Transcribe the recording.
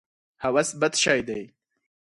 هوس بد شی دی.